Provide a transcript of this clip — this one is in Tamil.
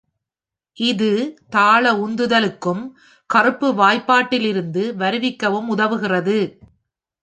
இது தாள உந்துதலுக்கும், கறுப்பு வாய்ப்பாட்டிலிருந்து வருவிக்கவும் உதவுகிறது.